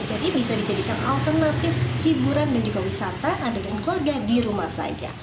jadi bisa dijadikan alternatif hiburan dan juga wisata adegan keluarga di rumah saja